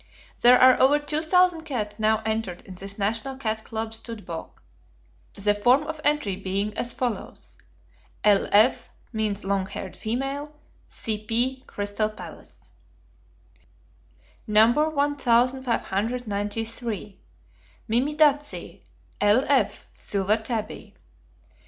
There are over two thousand cats now entered in this National Cat Club Stud Book, the form of entry being as follows (L.F. means long haired female; C.P., Crystal Palace): No. 1593, Mimidatzi, L.F. Silver Tabby.